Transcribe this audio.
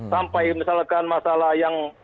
sampai misalkan masalah yang